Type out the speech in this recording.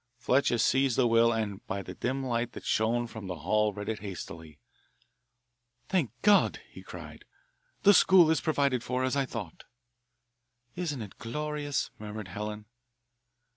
Fletcher seized the will and by the dim light that shone through from the hall read it hastily. "Thank God," he cried; "the school is provided for as I thought." "Isn't it glorious!" murmured Helen.